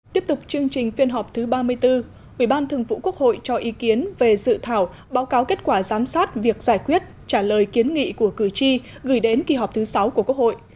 tiếp tục chương trình phiên họp thứ ba mươi bốn ubnd cho ý kiến về dự thảo báo cáo kết quả giám sát việc giải quyết trả lời kiến nghị của cử tri gửi đến kỳ họp thứ sáu của quốc hội